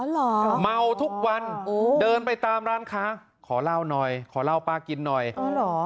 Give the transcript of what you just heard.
เหรอเมาทุกวันเดินไปตามร้านค้าขอเหล้าหน่อยขอเล่าป้ากินหน่อยอ๋อเหรอ